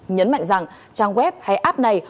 nhấn mạnh rằng trang web hay app này